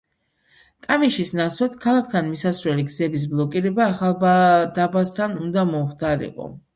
ტამიშის ნაცვლად, ქალაქთან მისასვლელი გზების ბლოკირება ახალდაბასთან უნდა მომხდარიყო.